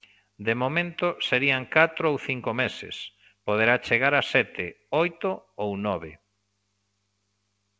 De momento, serían catro ou cinco meses, poderá chegar a sete, oito ou nove.